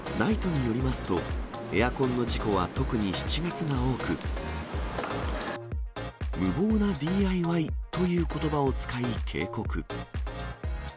ＮＩＴＥによりますと、エアコンの事故は特に７月が多く、無謀なＤＩＹということばを使い警告。